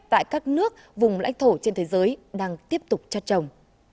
tại các nước vùng lãnh thổ trên thế giới đang tiếp tục chặt trồng